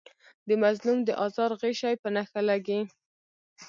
د مظلوم د آزار غشی په نښه لګي.